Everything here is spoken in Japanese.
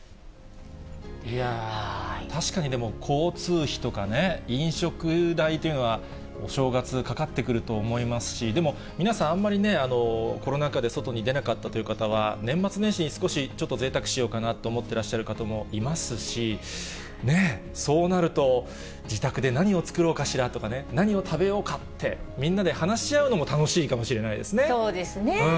いやー、確かに交通費とかね、飲食代というのは、お正月、かかってくると思いますし、でも皆さん、あんまりね、コロナ禍で外に出なかったという方は、年末年始に少しちょっとぜいたくしようかなと思っていらっしゃる方もいますし、ね、そうなると、自宅で何を作ろうかしらとかね、何を食べようかって、みんなで話し合うのも楽しいかもしれないでそうですね。